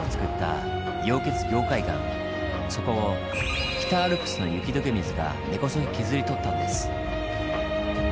そこを北アルプスの雪解け水が根こそぎ削り取ったんです。